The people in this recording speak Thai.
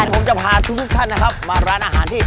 ผมจะพาทุกท่านนะครับมาร้านอาหารที่